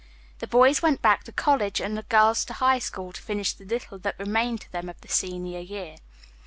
The boys went back to college and the girls to High School to finish the little that remained to them of their senior year.